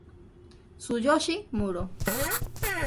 Tsuyoshi Muro